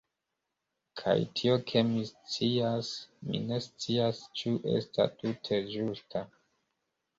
Kaj tio ke mi scias, mi ne scias ĉu estas tute ĝusta..